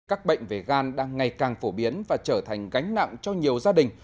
các bệnh về gan đang ngày càng phổ biến và trở thành gánh nặng cho nhiều gia đình